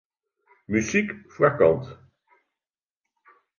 Muzyk foarkant.